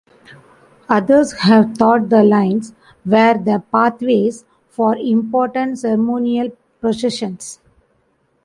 Others have thought the lines were the pathways for important ceremonial processions.